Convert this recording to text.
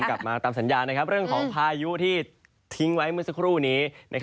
กลับมาตามสัญญาเรื่องของพายุที่ทิ้งไว้เมื่อสักครู่นี้